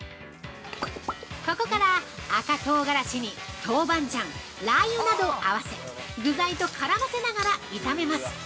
◆ここから赤唐辛子に豆板醤ラー油などを合わせ、具材と絡ませながら炒めます。